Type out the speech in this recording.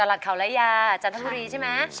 หลักเขาและยาจันทบุรีใช่ไหม